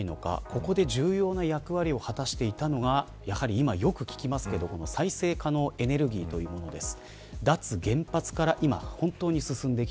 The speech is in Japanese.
ここで重要な役割を果たしていたのがやはり今よく聞きますけれど再生可能エネルギーというものです。